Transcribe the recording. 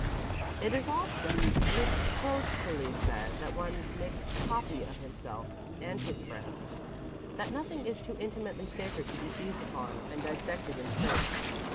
It is often reproachfully said that one "makes copy" of himself and his friends that nothing is too intimately sacred to be seized upon and dissected in print.